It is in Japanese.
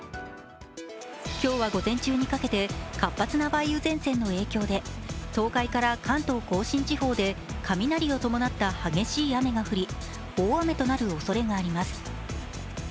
今日は午前中にかけて活発な梅雨前線の影響で東海から関東甲信地方で雷を伴った激しい雨が降り、大雨となるおそれがあります。